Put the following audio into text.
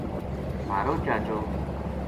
مھارو چاچو